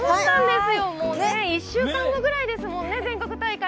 １週間後ぐらいですもんね全国大会。